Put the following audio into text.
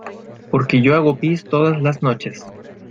porque yo hago pis todas las noches.